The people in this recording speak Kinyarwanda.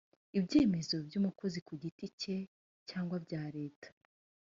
ibyemezo by umukozi ku giti cye cyangwa bya leta